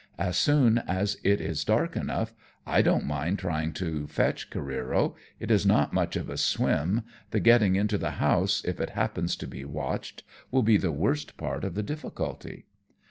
As soon as it is dark enough I don't mind trying to fetch Careero ; it is not much of a swim ; the getting into the house, if it happens to be watched, will be the worst part of the difficulty."